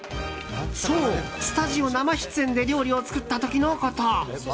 そう、スタジオ生出演で料理を作った時のこと。